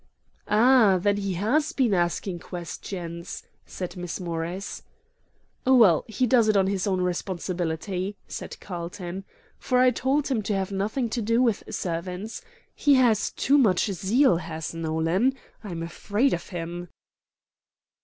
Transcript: "Ah, then he has been asking questions!" said Miss Morris. "Well, he does it on his own responsibility," said Carlton, "for I told him to have nothing to do with servants. He has too much zeal, has Nolan; I'm afraid of him."